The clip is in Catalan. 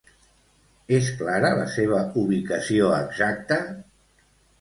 És clara la seva ubicació exacta?